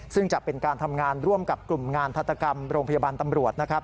ซึ่งจะเป็นการทำงานร่วมกับกลุ่มงานธัตกรรมโรงพยาบาลตำรวจนะครับ